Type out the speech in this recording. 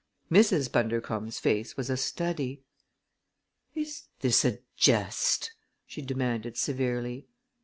Mrs. Bundercombe's face was a study. "Is this a jest?" she demanded severely.